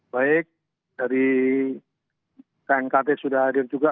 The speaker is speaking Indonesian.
baik dari knkt sudah hadir juga